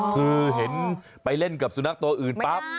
คือเห็นไปเล่นกับสุนัขตัวอื่นปั๊บ